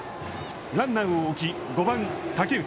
ランナーを置き、５番竹内。